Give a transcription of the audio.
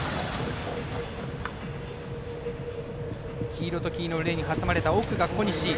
黄色と黄色のレーンに挟まれた奥が奥が小西。